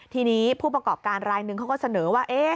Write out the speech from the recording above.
ทีนี้ผู้ประกอบการรายนึงเขาก็เสนอว่า